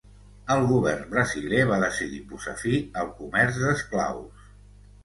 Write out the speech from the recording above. El Govern brasiler va decidir posar fi al comerç d'esclaus.